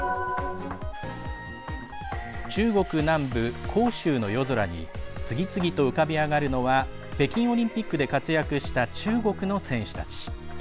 中国南部、広州の夜空に次々と浮かび上がるのは北京オリンピックで活躍した中国の選手たち。